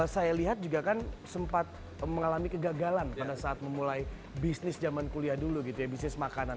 saya lihat juga kan sempat mengalami kegagalan pada saat memulai bisnis zaman kuliah dulu gitu ya bisnis makanan